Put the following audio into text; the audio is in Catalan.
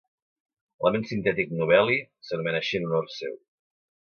L'element sintètic Nobeli s'anomena així en honor seu.